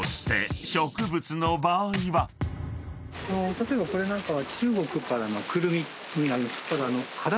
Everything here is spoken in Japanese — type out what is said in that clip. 例えばこれなんかは。